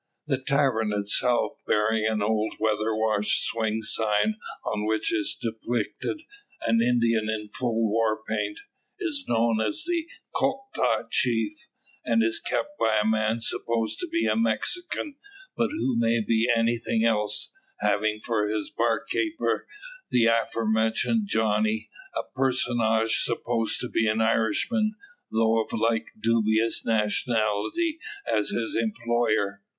The tavern itself, bearing an old weather washed swing sign, on which is depicted an Indian in full war paint, is known as the "Choctaw Chief," and is kept by a man supposed to be a Mexican, but who may be anything else; having for his bar keeper the afore mentioned "Johnny," a personage supposed to be an Irishman, though of like dubious nationality as his employer.